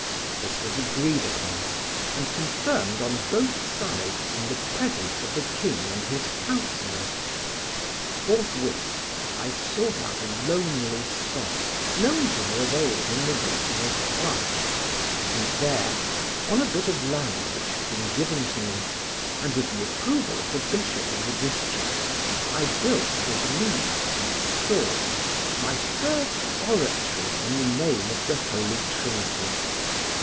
This was agreed upon and confirmed on both sides in the presence of the king and his councellors. Forthwith I sought out a lonely spot known to me of old in the region of Troyes, and there, on a bit of land which had been given to me, and with the approval of the bishop of the district, I built with reeds and stalks my first oratory in the name of the Holy Trinity.